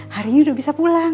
hari ini udah bisa pulang